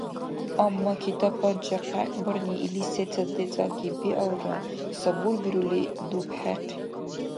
Аммаки тапанча къяйкбарни илис сецад децӀагиб биалра, сабурбирули, дубхӀехъиб.